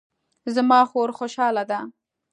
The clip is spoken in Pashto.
زما خور خوشحاله ده